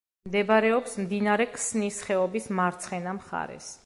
მდებარეობს მდინარე ქსნის ხეობის მარცხენა მხარეს.